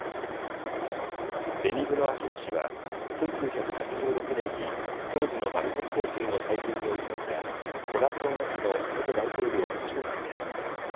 ベニグノ・アキノ氏は１９８６年に当時のマルコス政権を退陣に追い込んだコラソン・アキノ元大統領の長男です。